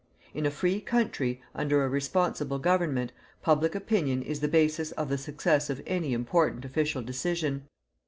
In a free country, under a responsible government, public opinion is the basis of the success of any important official decision.